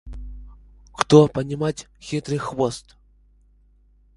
Куда это поставить?